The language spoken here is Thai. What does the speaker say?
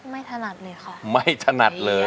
ถนัดเลยค่ะไม่ถนัดเลย